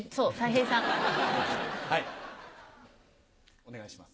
お願いします。